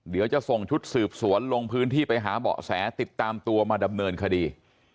เดี๋ยวจะส่งชุดสืบสวนลงพื้นที่ไปหาเบาะแสติดตามตัวมาดำเนินคดี